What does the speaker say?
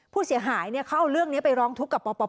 ผู้เสียหายเขาเอาเรื่องนี้ไปร้องทุกข์กับปป